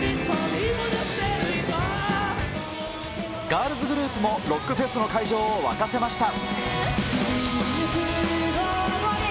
ガールズグループもロックフェスの会場を沸かせました。